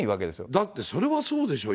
だってそれはそうでしょ。